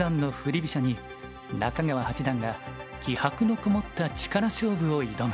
飛車に中川八段が気迫のこもった力勝負を挑む。